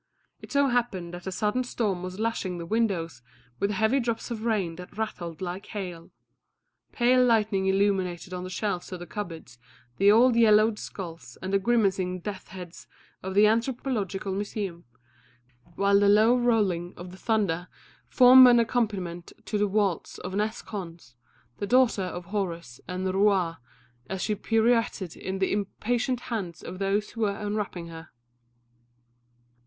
It so happened that a sudden storm was lashing the windows with heavy drops of rain that rattled like hail; pale lightnings illumined on the shelves of the cupboards the old yellowed skulls and the grimacing death's heads of the Anthropological Museum; while the low rolling of the thunder formed an accompaniment to the waltz of Nes Khons, the daughter of Horus and Rouaa, as she pirouetted in the impatient hands of those who were unwrapping her.